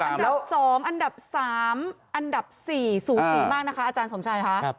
แต่อันดับสองอันดับสามอันดับสี่สูงสี่มากนะคะอาจารย์สมชัยคะ